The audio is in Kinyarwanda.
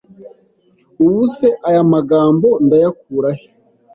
Ubu se aya magambo ndayakurahe